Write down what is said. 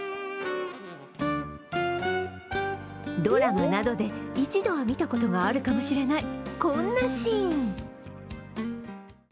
ドラマなどで一度は見たことがあるかもしれない、こんなシーン。